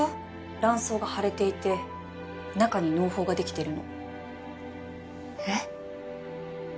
卵巣が腫れていて中に嚢胞ができてるのえっ？